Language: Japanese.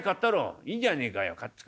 「いいじゃねえかよ買ってくれ。